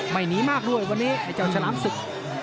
หนีมากด้วยวันนี้ไอ้เจ้าฉลามศึก